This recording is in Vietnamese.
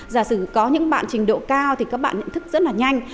giả sử có những bạn trình độ cao thì các bạn nhận thức rất là nhanh